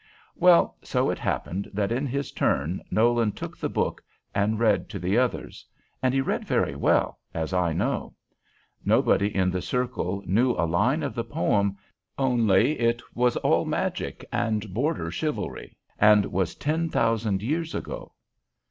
Well, so it happened that in his turn Nolan took the book and read to the others; and he read very well, as I know. Nobody in the circle knew a line of the poem, only it was all magic and Border chivalry, and was ten thousand years ago.